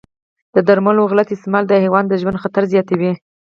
د درملو غلط استعمال د حیوان د ژوند خطر زیاتوي.